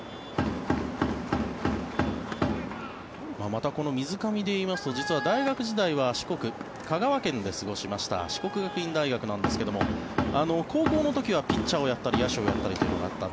また水上で言いますと実は大学時代は四国・香川県で過ごしました四国学院大学なんですが高校の時はピッチャーをやったり野手をやったりということがあった。